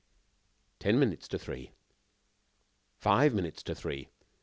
Ten minutes to three!....Five minutes to three!....